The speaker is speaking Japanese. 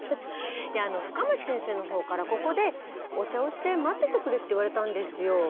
いや深町先生の方からここでお茶をして待っててくれって言われたんですよ。